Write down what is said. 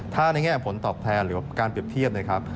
ถ้าในแง่ผลตอบแทนหรือการเปรียบเทียบ